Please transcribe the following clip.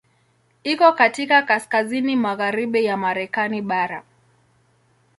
Iko katika kaskazini magharibi ya Marekani bara.